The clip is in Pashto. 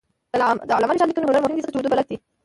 د علامه رشاد لیکنی هنر مهم دی ځکه چې اردو بلد دی.